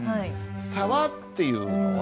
「沢」っていうのは。